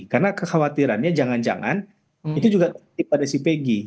karena kekhawatirannya jangan jangan itu juga terjadi pada si peggy